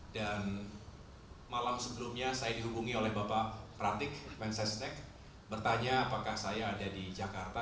dan malam sebelumnya saya dihubungi oleh bapak pratik men sesnek bertanya apakah saya ada di jakarta